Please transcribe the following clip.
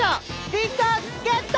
リンゴゲット！